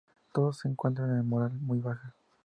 Todos se encuentran con la moral muy baja.